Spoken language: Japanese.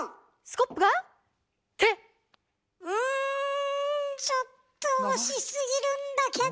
うんちょっと惜しすぎるんだけど。